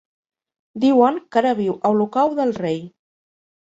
Diuen que ara viu a Olocau del Rei.